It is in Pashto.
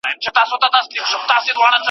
ما پرون د خپلې خونې پردې بدلې کړې.